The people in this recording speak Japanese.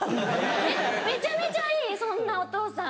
めちゃめちゃいいそんなお父さん。